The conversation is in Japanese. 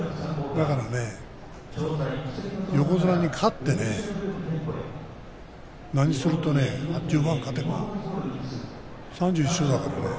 だからね横綱に勝って何するとあっという間に勝てば３１勝だからね。